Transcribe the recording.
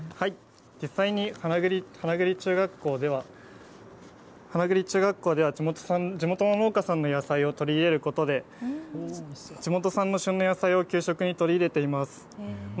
実際に花栗中学校では地元の農家さんの野菜を取り入れることで地元産の旬の野菜を給食に取り入れています。